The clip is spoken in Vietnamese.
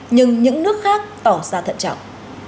nhưng những nước khác tỏ ra thận trọng